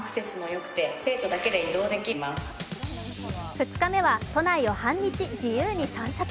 ２日目は都内を半日、自由に散策。